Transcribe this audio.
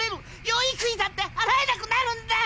養育費だって払えなくなるんだ。